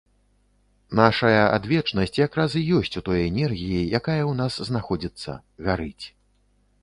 Нашая адвечнасць якраз і ёсць у той энергіі, якая ў нас знаходзіцца, гарыць.